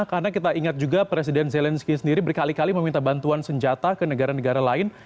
karena kita ingat juga presiden zelensky sendiri berkali kali meminta bantuan senjata ke negara negara lain